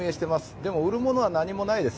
でも売るものは何もないです。